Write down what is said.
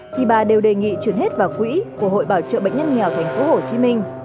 thì bà đều đề nghị chuyển hết vào quỹ của hội bảo trợ bệnh nhân nghèo tp hcm